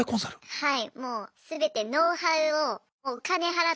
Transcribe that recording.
はい。